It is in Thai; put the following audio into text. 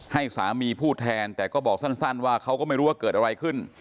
ให้สามีพูดแทนแต่ก็บอกสั้นว่าเขาก็ไม่รู้ว่าเกิดอะไรขึ้น